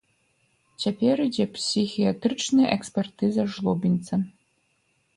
Цяпер ідзе псіхіятрычная экспертыза жлобінца.